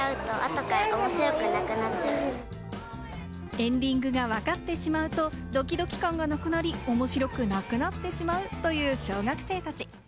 エンディングがわかってしまうとドキドキ感がなくなり、面白くなくなってしまうという小学生たち。